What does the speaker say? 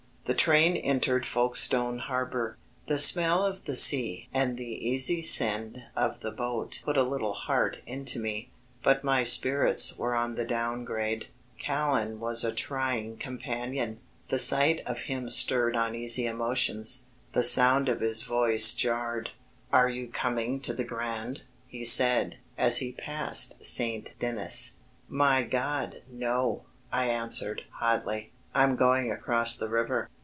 The train entered Folkestone Harbour. The smell of the sea and the easy send of the boat put a little heart into me, but my spirits were on the down grade. Callan was a trying companion. The sight of him stirred uneasy emotions, the sound of his voice jarred. "Are you coming to the Grand?" he said, as we passed St. Denis. "My God, no," I answered, hotly, "I'm going across the river."